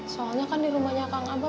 soalnya kan di rumahnya kang abah